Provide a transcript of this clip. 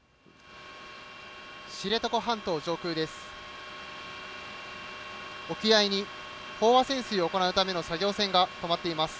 知床半島上空です。